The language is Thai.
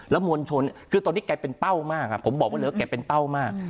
มวลชนคือตอนนี้แกเป็นเป้ามากผมบอกว่าเหลือแกเป็นเป้ามาก